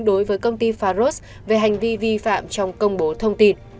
đối với công ty faros về hành vi vi phạm trong công bố thông tin